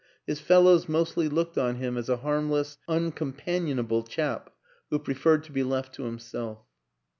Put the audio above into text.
His fellows mostly looked on him as a harmless, uncompanionable chap who preferred to be left to himself.